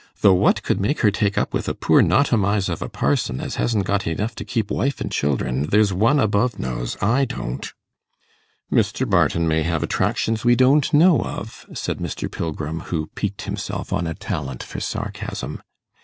Though what could make her take up with a poor notomise of a parson, as hasn't got enough to keep wife and children, there's One above knows I don't.' 'Mr. Barton may have attractions we don't know of,' said Mr. Pilgrim, who piqued himself on a talent for sarcasm.